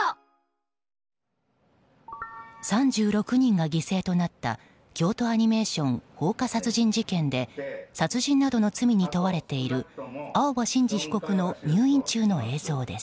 ３６人が犠牲となった京都アニメーション放火殺人事件で殺人などの罪に問われている青葉真司被告の入院中の映像です。